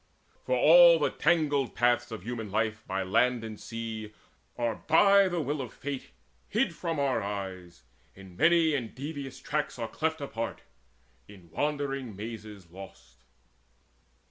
For all the tangled paths of human life, By land and sea, are by the will of Fate Hid from our eyes, in many and devious tracks Are cleft apart, in wandering mazes lost.